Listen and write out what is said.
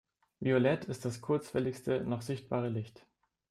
Violett ist das kurzwelligste noch sichtbare Licht.